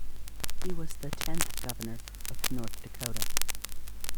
He was the tenth Governor of North Dakota.